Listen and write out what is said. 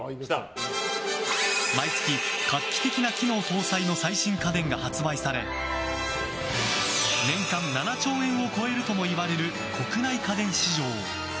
毎月、画期的な機能搭載の最新家電が発売され年間７兆円を超えるともいわれる国内家電市場。